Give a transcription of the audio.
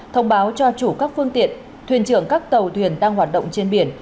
thông báo cho chủ các phương tiện thuyền trưởng các tàu thuyền đang hoạt động trên biển